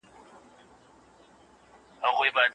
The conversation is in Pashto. تاسو مه کوئ چې په شنو فصلونو کې کثافات واچوئ.